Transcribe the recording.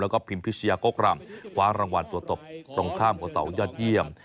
แล้วก็พิมพิชยากกรำคว้ารางวัลตัวตบตรงข้ามของเสายอดเยี่ยม